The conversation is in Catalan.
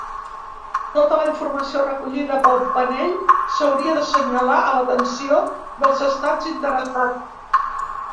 Tota la informació recollida pel panell s'hauria d'assenyalar a l'atenció dels estats interessats.